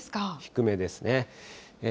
低めですね。